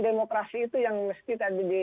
demokrasi itu yang mesti